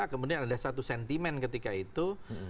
kemudian ada satu sentimen ketika itu